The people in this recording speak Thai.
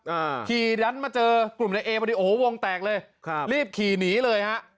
อ่าขี่ดันมาเจอกลุ่มในเอพอดีโอ้โหวงแตกเลยครับรีบขี่หนีเลยฮะ